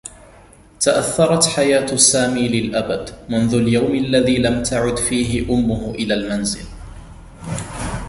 تأثّرت حياة سامي للأبد منذ اليوم الذي لم تعد فيه أمّه إلى المنزل.